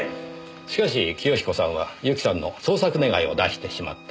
しかし清彦さんはユキさんの捜索願を出してしまった。